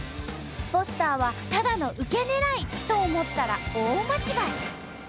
ポスターはただのウケねらいと思ったら大間違い！